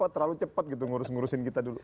terlalu cepat gitu ngurus ngurusin kita dulu